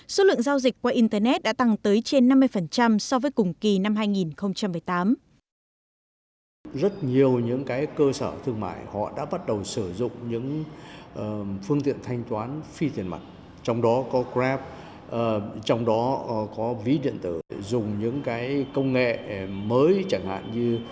số lượng giao dịch qua internet đã tăng tới trên năm mươi so với cùng kỳ năm hai nghìn một mươi tám